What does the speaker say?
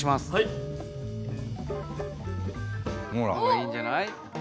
いいんじゃない？